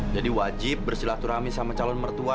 jadi wajib bersilaturahmi sama calon mertua